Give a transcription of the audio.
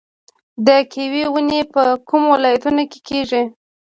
د کیوي ونې په کومو ولایتونو کې کیږي؟